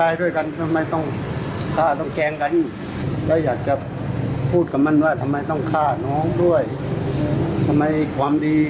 อยากให้เขาลงโทษแบบไหนครับ